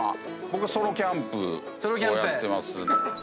僕はソロキャンプをやってます。